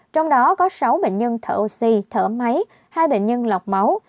trong đó có sáu bệnh nhân thở oxy thở máy hai bệnh nhân lọc máu